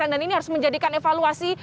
dan ini harus menjadikan evaluasi